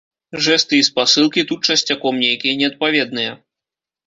Жэсты і спасылкі тут часцяком нейкія неадпаведныя.